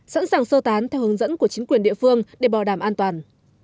sẵn sàng sơ tán theo hướng dẫn của chính quyền địa phương để bảo đảm an toàn